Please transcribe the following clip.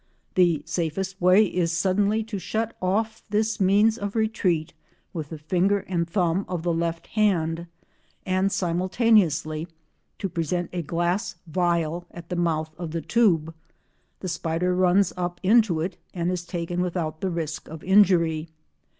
The safest way is suddenly to shut off this means of retreat with the finger and thumb of the left hand and simultaneously to present a glass phial at the mouth of the tube; the spider runs up into it and is taken without the risk of injury.